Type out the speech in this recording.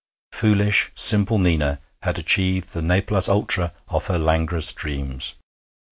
Foolish, simple Nina had achieved the nec plus ultra of her languorous dreams.